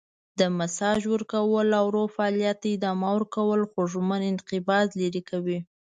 د ماساژ ورکول او ورو فعالیت ته ادامه ورکول خوږمن انقباض لرې کوي.